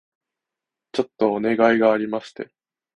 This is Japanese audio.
ちょっとお願いがありまして